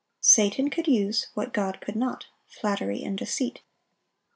Satan could use what God could not—flattery and deceit.